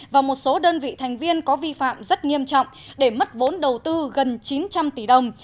và một số đơn vị thành viên có vi phạm rất nghiêm trọng để mất vốn đầu tư gần chín trăm linh tỷ đồng